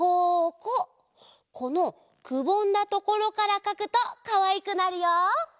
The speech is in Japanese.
このくぼんだところからかくとかわいくなるよ。